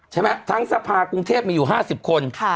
ใช่มั้ยทั้งสภาคกรุงเทพมีอยู่๕๐คน